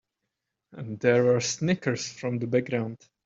There were snickers from the background.